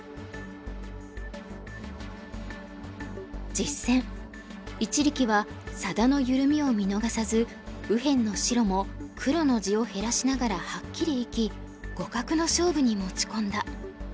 実戦一力は佐田の緩みを見逃さず右辺の白も黒の地を減らしながらはっきり生き互角の勝負に持ち込んだ。